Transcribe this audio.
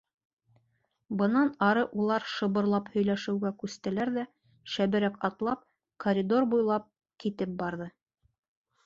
Бынан ары улар шыбырлап һөйләшеүгә күстеләр ҙә шәберәк атлап коридор буйлап китеп барҙы.